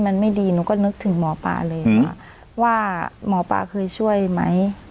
มันไม่ดีหนูก็นึกถึงหมอปลาเลยว่าหมอปลาเคยช่วยไหม